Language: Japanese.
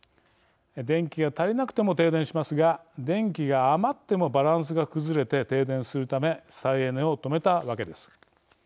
電気が足りなくても停電しますが電気が余ってもバランスが崩れて停電するため再エネを止めたわけです。